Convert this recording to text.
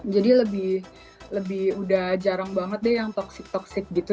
jadi lebih lebih udah jarang banget deh yang toxic toxic gitu